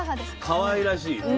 かわいらしい。